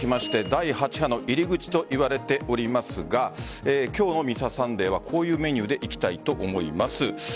第８波の入り口といわれておりますが今日の「Ｍｒ．サンデー」はこういうメニューでいきたいと思います。